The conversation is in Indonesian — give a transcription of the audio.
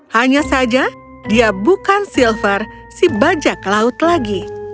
hanya saja dia bukan silver si bajak laut lagi